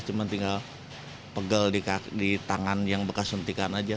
cuma tinggal pegel di tangan yang bekas suntikan aja